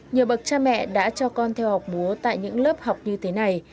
nhiều bậc cha mẹ đã cho con theo học múa tại những lớp học như thế này